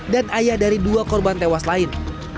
dan ayah dari dua korban tewas lain